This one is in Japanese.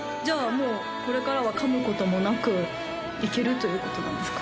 もうこれからは噛むこともなくいけるということなんですか？